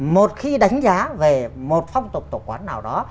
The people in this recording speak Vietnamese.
một khi đánh giá về một phong tục tổ quán nào đó